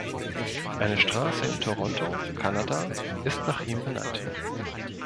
Eine Straße in Toronto, Kanada, ist nach ihm benannt.